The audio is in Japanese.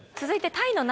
続いて。